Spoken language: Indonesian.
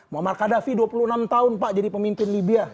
muhammad kadafi dua puluh enam tahun pak jadi pemimpin libya